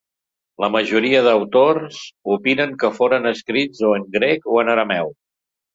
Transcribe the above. La majoria d’autors opinen que foren escrits o en grec o en arameu.